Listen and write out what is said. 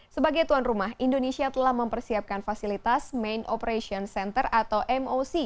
sebagai tuan rumah indonesia telah mempersiapkan fasilitas main operation center atau moc